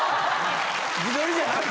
・自撮りじゃなく？